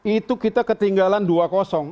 itu kita ketinggalan dua